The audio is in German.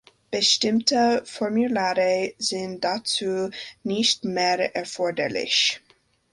Bestimmte Formulare sind dazu nicht mehr erforderlich.